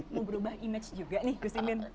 mau berubah image juga nih gus imin